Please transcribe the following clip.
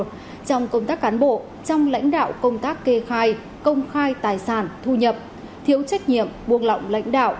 trong công tác cán bộ trong lãnh đạo công tác kê khai công khai tài sản thu nhập thiếu trách nhiệm buông lỏng lãnh đạo